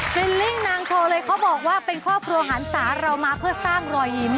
ลิลลิ่งนางโชว์เลยเขาบอกว่าเป็นครอบครัวหันศาเรามาเพื่อสร้างรอยยิ้ม